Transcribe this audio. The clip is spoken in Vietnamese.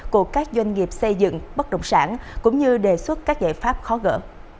của các doanh nghiệp xây dựng bất động sản cũng như đề xuất các giải pháp khó gỡ